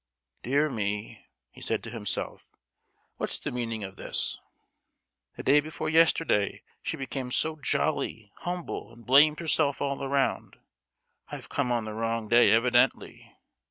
"Dear me," he said to himself, "what's the meaning of this? The day before yesterday she became so jolly humble, and blamed herself all round. I've come on the wrong day, evidently!"